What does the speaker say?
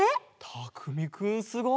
たくみくんすごい！